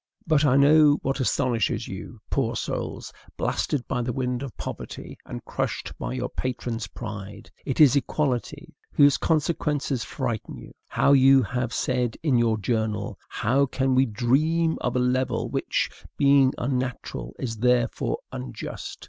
But I know what astonishes you, poor souls, blasted by the wind of poverty, and crushed by your patrons' pride: it is EQUALITY, whose consequences frighten you. How, you have said in your journal, how can we "dream of a level which, being unnatural, is therefore unjust?